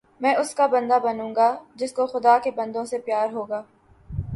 میں اس کا بندہ بنوں گا جس کو خدا کے بندوں سے پیار ہوگا